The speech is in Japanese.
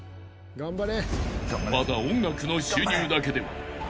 頑張れ。